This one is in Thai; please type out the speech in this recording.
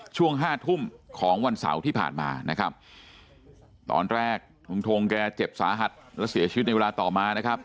ช่วงห้าทุ่มของวันเสาร์ที่ผ่านมานะครับตอนแรกลุงทงแกเจ็บสาหัสและเสียชีวิตในเวลาต่อมานะครับ